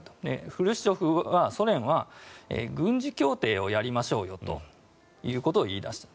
フルシチョフはソ連は軍事協定をやりましょうよということを言い出した。